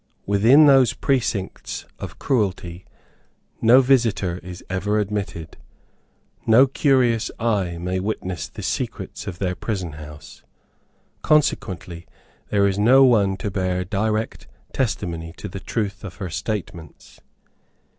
Within those precincts of cruelty, no visitor is ever admitted. No curious eye may witness the secrets of their prison house. Consequently, there is no one to bear direct testimony to the truth of her statements.